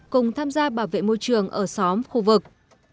cùng tham gia bảo vệ môi trường ở xóm khu vực